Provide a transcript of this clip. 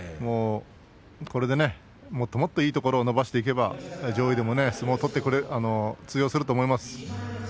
これでもっともっといいところを伸ばしていけば上位でも十分通用すると思います。